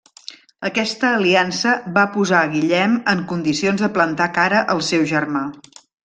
Aquesta aliança va posar a Guillem en condicions de plantar cara al seu germà.